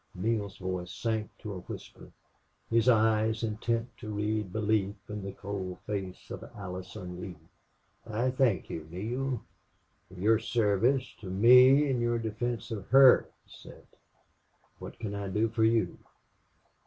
Neale's voice sank to a whisper, his eyes intent to read belief in the cold face of Allison Lee. "I thank you, Neale, for your service to me and your defense of her," he said. "What can I do for you?"